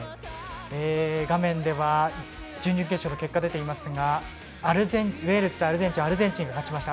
画面では準々決勝の結果が出ていますがウェールズ対アルゼンチンはアルゼンチンが勝ちました。